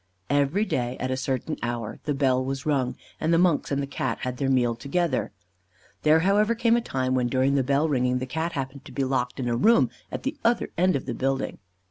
Every day at a certain hour the bell was rung, and the monks and the Cat had their meal together. There however came a time when, during the bell ringing, the Cat happened to be locked in a room at the other end of the building.